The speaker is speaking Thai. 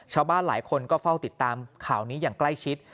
ชาวบ้านหลายคนก็เฝ้าติดตามข่าวนี้อย่างใกล้ชิด